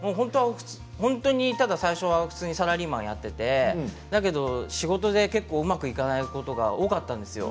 本当に、ただ最初はサラリーマンをやっていてだけど仕事で結構うまくいかないことが多かったんですよ。